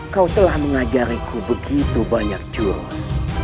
kau telah mengajariku begitu banyak jurus